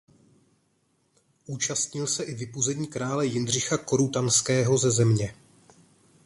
Účastnil se i vypuzení krále Jindřicha Korutanského ze země.